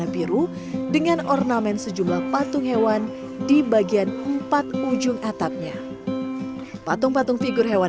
sebagai elemen penting japsang telah menjadi elemen penting dalam arsitektur bangunan istana kerajaan